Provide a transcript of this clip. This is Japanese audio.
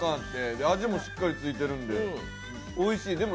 味もしっかりついてるので、おいしい。